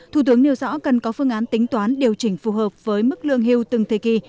thủ tướng nêu rõ cần có phương án tính toán điều chỉnh phù hợp với mức lương hưu từng thời kỳ